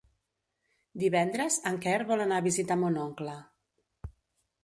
Divendres en Quer vol anar a visitar mon oncle.